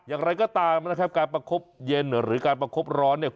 อย่างไรก็ตามนะครับการประคบเย็นหรือการประคบร้อนเนี่ย